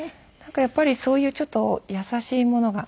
やっぱりそういうちょっと優しいものが。